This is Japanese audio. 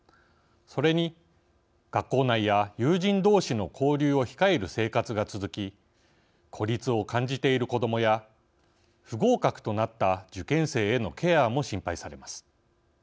それに、学校内や友人同士の交流を控える生活が続き孤立を感じている子どもや不合格となった受験生へのケアも心配されます。